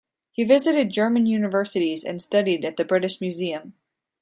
He visited German universities and studied at the British Museum.